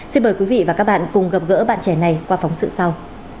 xin mời quý vị và các bạn cùng gặp gỡ bạn trẻ này qua phóng sự sau